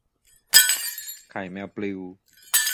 ไข่แมวปลิว